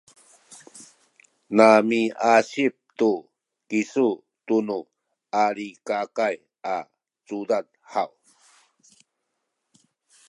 namiasip tu kisu tunu Alikakay a cudad haw?